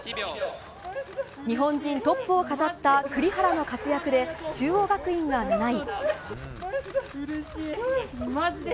日本人トップを飾った栗原の活躍で中央学院が７位。